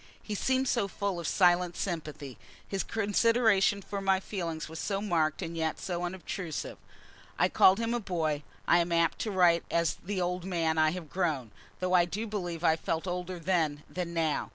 He seemed so full of silent sympathy: his consideration for my feelings was so marked and yet so unobtrusive. I have called him a boy. I am apt to write as the old man I have grown, though I do believe I felt older then than now.